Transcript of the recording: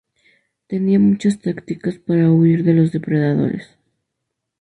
Tienen muchas tácticas para huir de los depredadores.